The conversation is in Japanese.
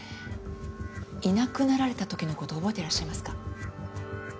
いなくなられた時の事覚えていらっしゃいますか？